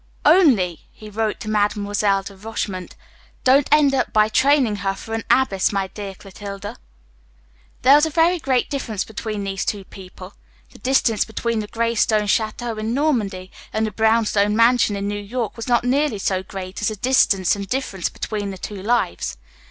"Only," he wrote to Mademoiselle de Rochemont, "don't end by training her for an abbess, my dear Clotilde." [Illustration: "THERE SHE IS," THEY WOULD CRY.] There was a very great difference between these two people the distance between the gray stone château in Normandy and the brown stone mansion in New York was not nearly so great as the distance and difference between the two lives.